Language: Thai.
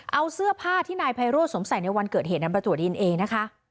เอาเสื้อผ้าที่นายไพโรดสงสัยในวันเกิดเหตุนำปฎาตรวจอินเองนะคะ